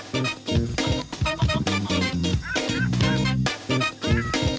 โปรดติดตามตอนต่อไป